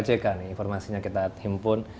informasinya kita himpun